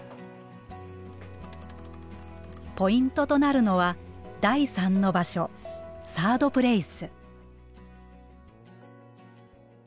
ポイントとなるのは第３の場所サードプレイス。